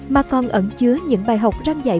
mà còn ẩn chứa những bài học răn dạy